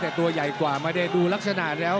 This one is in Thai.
แต่ตัวใหญ่กว่าไม่ได้ดูลักษณะแล้ว